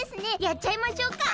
やっちゃいましょうか。